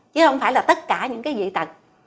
chứ không phải là tất cả những cái gì tật